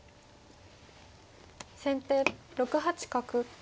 先手６八角。